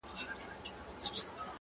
زخمي زړه مي په غمو د جانان زېر سو،